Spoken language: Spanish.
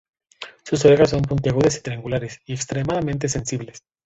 Sus orejas son puntiagudas y triangulares, y extremadamente sensibles.